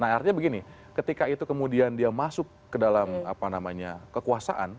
nah artinya begini ketika itu kemudian dia masuk ke dalam kekuasaan